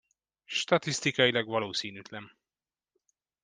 Statisztikailag valószínűtlen.